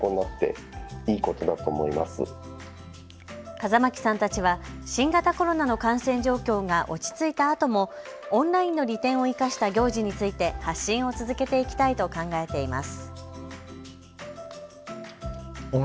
風巻さんたちは、新型コロナの感染状況が落ち着いたあともオンラインの利点を生かした行事について発信を続けていきたいと考えています。